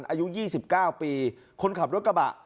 อายุ๒๙ปีคนขับรถกระบะ